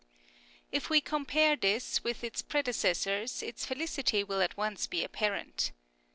If we compare this with its predecessors its felicity will at once be apparent.